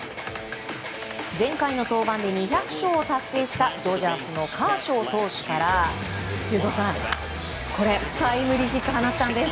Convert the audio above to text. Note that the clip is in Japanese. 前回の登板で２００勝を達成したドジャースのカーショー投手から修造さん、タイムリーヒットを放ったんです。